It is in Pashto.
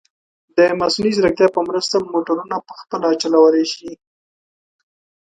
د مصنوعي ځیرکتیا په مرسته، موټرونه په خپله چلولی شي.